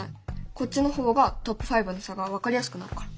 こっちの方がトップ５の差が分かりやすくなるから。